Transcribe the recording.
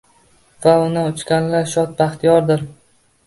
Va unda uchganlar shod-baxtiyordir